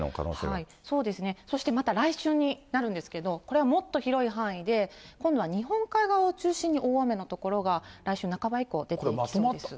そうですね、そしてまた来週になるんですけれども、これはもっと広い範囲で、今度は日本海側を中心に、大雨の所が来週半ば以降、出てきそうです。